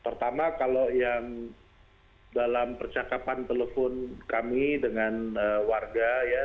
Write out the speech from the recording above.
pertama kalau yang dalam percakapan telepon kami dengan warga ya